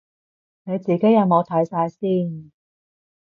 你自己有冇睇晒先